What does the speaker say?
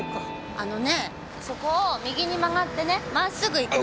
あのねえそこを右に曲がってね真っ直ぐ行くの！